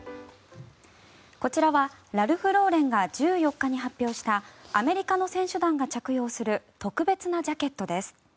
こちらはラルフローレンが１４日に発表したアメリカの選手団が着用する特別なジャケットです。